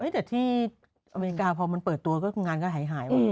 แต่ที่อเมริกาพอมันเปิดตัวก็งานก็หายว่ะ